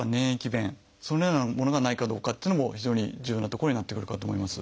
そのようなものがないかどうかというのも非常に重要なところになってくるかと思います。